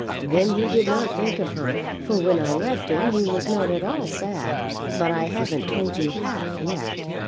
"Then he did not think of her; for when I left him he was not at all sad. But I haven't told you half yet."